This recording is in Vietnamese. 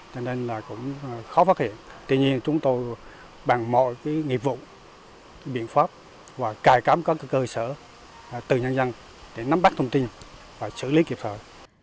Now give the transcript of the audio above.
tuy nhiên chúng tôi bằng mọi nghiệp vụ biện pháp và cài cám các cơ sở từ nhân dân để nắm bắt thông tin và xử lý kịp thời